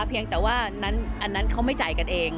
เพียงแต่ว่าอันนั้นเขาไม่จ่ายกันเอง